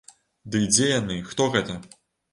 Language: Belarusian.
Ды і дзе яны, хто гэта?!